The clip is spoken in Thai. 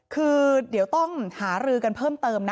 คือเดี๋ยวต้องหารือกันเพิ่มเติมนะ